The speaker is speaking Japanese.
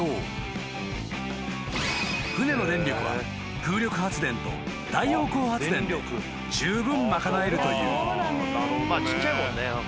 ［船の電力は風力発電と太陽光発電でじゅうぶん賄えるという］